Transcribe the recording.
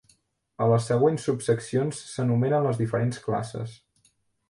A les següents subseccions s'enumeren les diferents classes.